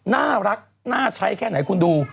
น่ารักน่าใช้แค่ไหนคุณดู